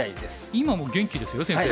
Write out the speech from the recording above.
今も元気ですよ先生。